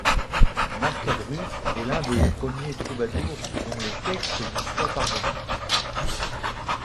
Marcabru est l'un des premiers troubadours dont les textes nous soient parvenus.